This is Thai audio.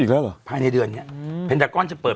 อีกแล้วเหรอภายในเดือนเนี่ย